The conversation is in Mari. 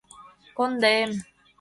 — Конде-ем...